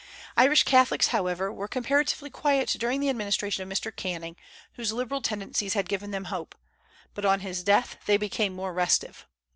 The Irish Catholics, however, were comparatively quiet during the administration of Mr. Canning, whose liberal tendencies had given them hope; but on his death they became more restive.